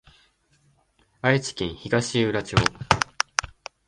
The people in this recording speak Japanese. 愛知県東浦町